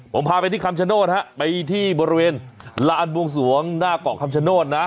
ผมพาไปที่คำชะโน้ดครับไปที่บริเวณลานบวงสวงหน้าก่อคำชะโน้ดนะ